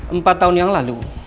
empat tahun yang lalu